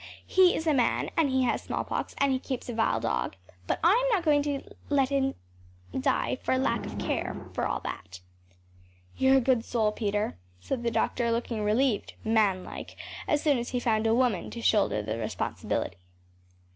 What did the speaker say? He is a man, and he has smallpox, and he keeps a vile dog; but I am not going to see him die for lack of care for all that.‚ÄĚ “You’re a good soul, Peter,‚ÄĚ said the doctor, looking relieved, manlike, as soon as he found a woman to shoulder the responsibility.